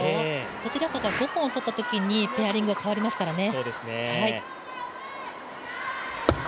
どちらかが５本取ったときにペアリングが変わりますからね。